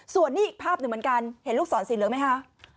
ส่วนนี้อีกภาพหนึ่งเหมือนกันเห็นลูกศรสีเหลืองไหมคะ